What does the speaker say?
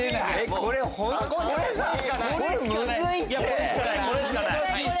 これしかない。